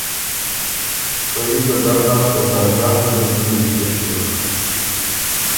په يي ګډؤ نر ته ساجان ګه ډُمی کی پِکِر شیوک